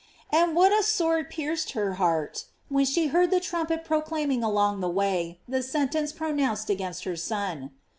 And what a sword pierc ed her heart when she heard the trumpet pro claiming along the way the sentence pronounced against her Son